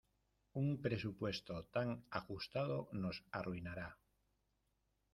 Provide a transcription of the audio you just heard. Un presupuesto tan ajustado nos arruinará.